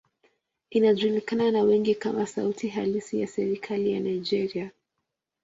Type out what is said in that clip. Inajulikana na wengi kama sauti halisi ya serikali ya Nigeria.